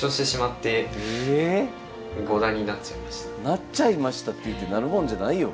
なっちゃいましたっていってなるもんじゃないよ。